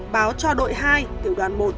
báo cho đội hai tiểu đoàn một